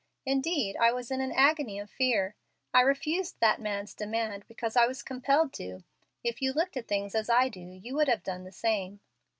Indeed, I was in an agony of fear. I refused that man's demand because I was compelled to. If you looked at things as I do, you would have done the same."